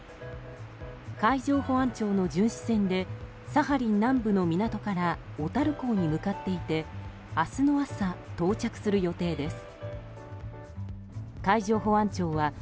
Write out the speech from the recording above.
海上保安庁の巡視船でサハリン南部の港から小樽港に向かっていて明日の朝、到着する予定です。